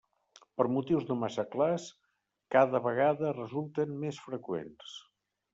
Per motius no massa clars, cada vegada resulten més freqüents.